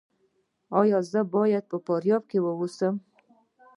ایا زه باید په فاریاب کې اوسم؟